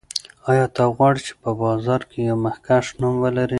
آیا ته غواړې چې په بازار کې یو مخکښ نوم ولرې؟